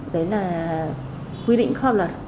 đấy là quy định khóa luật